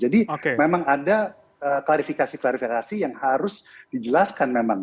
jadi memang ada klarifikasi klarifikasi yang harus dijelaskan memang